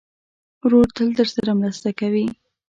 ورور تل درسره مرسته کوي.